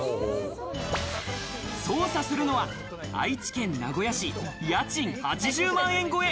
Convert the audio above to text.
捜査するのは愛知県名古屋市、家賃８０万円超え。